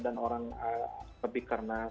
dan orang lebih karena takut ya